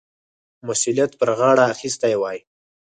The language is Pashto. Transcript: مسؤلیت پر غاړه اخیستی وای.